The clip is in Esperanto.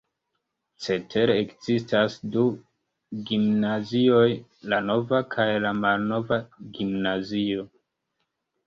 Cetere ekzistas du gimnazioj: La nova kaj la malnova gimnazio.